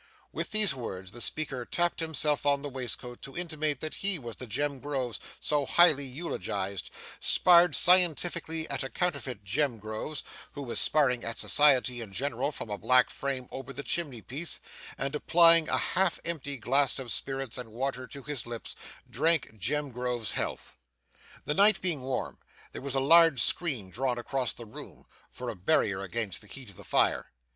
With these words, the speaker tapped himself on the waistcoat to intimate that he was the Jem Groves so highly eulogized; sparred scientifically at a counterfeit Jem Groves, who was sparring at society in general from a black frame over the chimney piece; and, applying a half emptied glass of spirits and water to his lips, drank Jem Groves's health. The night being warm, there was a large screen drawn across the room, for a barrier against the heat of the fire.